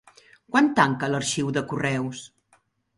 Quan tanca l'arxiu de correus?